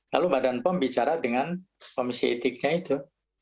lalu badan pom bicara dengan komisi etiknya itu